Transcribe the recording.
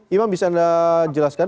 imam bisa anda jelaskan